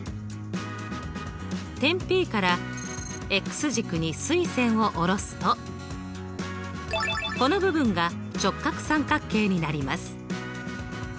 点Ｐから軸に垂線を下ろすとこの部分が直角三角形になります。